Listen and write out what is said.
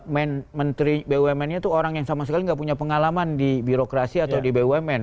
menteri bumn nya itu orang yang sama sekali nggak punya pengalaman di birokrasi atau di bumn